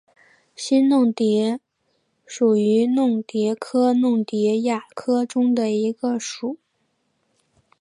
新弄蝶属是弄蝶科弄蝶亚科中的一个属。